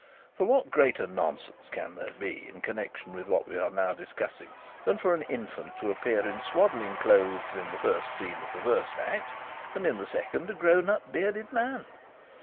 For what greater nonsense can there be in connection with what we are now discussing than for an infant to appear in swaddling clothes in the first scene of the first act, and in the second a grown up bearded man?